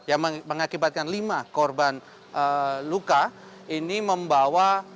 yang mengakibatkan lima korban luka ini membawa tas berisi ijazah